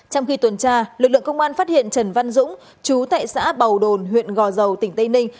trong khi tuần tra lực lượng công an phát hiện trần văn dũng chú tại xã bầu đồn huyện gò dầu tỉnh tây ninh